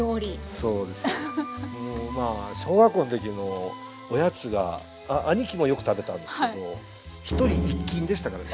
そうです。小学校の時のおやつが兄貴もよく食べたんですけど１人１斤でしたからね